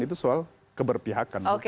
itu soal keberpihakan